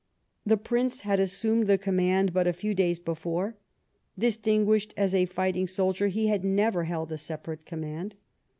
The Prince had assumed the command but a few days before ; distinguished as a fighting soldier, he had never held a separate command.